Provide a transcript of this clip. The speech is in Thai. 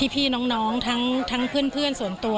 พี่น้องทั้งเพื่อนส่วนตัว